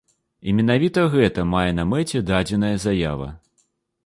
І менавіта гэта мае на мэце дадзеная заява.